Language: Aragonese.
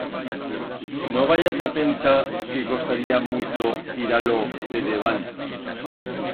No vayas a pensar que costaría muito tirar-lo de debant.